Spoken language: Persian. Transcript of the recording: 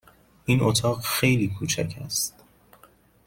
این اتاق خیلی کوچک است.